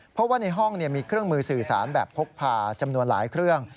เพราะว่าในห้องมีเครื่องมือสื่อสารแบบพกพาจำนวนหลายเครื่อง